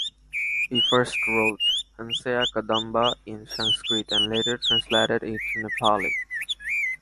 He first wrote "Hansyakadamba" in Sanskrit and later translated it to Nepali.